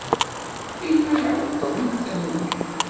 Yella iɛeṭṭel, am tannumi.